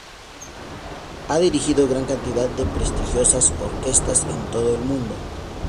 Ha dirigido gran cantidad de prestigiosas orquestas en todo el mundo.